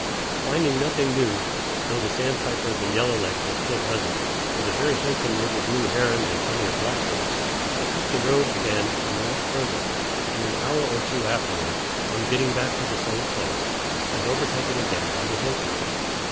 Finding nothing new, though the sandpipers and yellowlegs were still present, with a very handsome little blue heron and plenty of blackbirds, I took the road again and went further, and an hour or two afterward, on getting back to the same place, was overtaken again by the horseman.